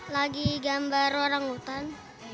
lagi gambar orang hutan